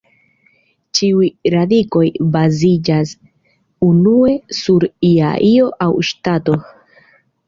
Ĉiuj radikoj baziĝas unue sur ia io aŭ ŝtato.